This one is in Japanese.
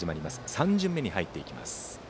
３巡目に入っていきます。